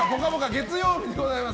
月曜日でございます。